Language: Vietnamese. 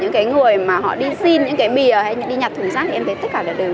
nhưng bởi dáng vẻ đáng yêu